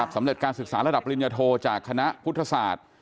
สำเร็จการศึกษาระดับปริญญโทจากคณะพุทธศาสตร์